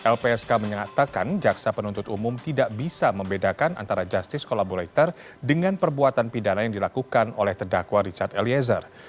lpsk menyatakan jaksa penuntut umum tidak bisa membedakan antara justice collaborator dengan perbuatan pidana yang dilakukan oleh terdakwa richard eliezer